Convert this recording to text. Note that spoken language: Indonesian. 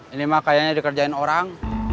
ini mah kayaknya dikerjain orang